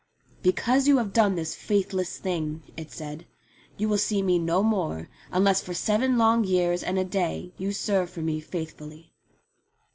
"Because you have done this faithless thing," it said, "you will see me no more, unless for seven long years and a day you serve for me faithfully."